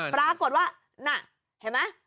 ปรากฏว่าน่ะเห็นมั้ย